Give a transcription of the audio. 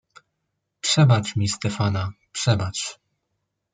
"Przebacz mi Stefana, przebacz!"